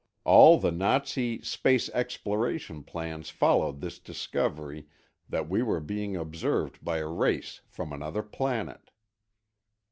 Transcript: All the Nazi space exploration plans followed this discovery that we were being observed by a race from another planet.